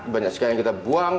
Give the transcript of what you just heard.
banyak sekali yang kita buang